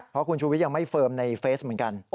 เพราะคุณชูวิทยังไม่เฟิร์มในเฟซเหมือนกัน